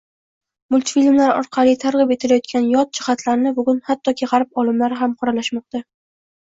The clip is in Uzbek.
Multfilmlar orqari targ`ib etilayotgan yot jihatlarni bugun hattoki G`arb olimlari ham qoralashmoqda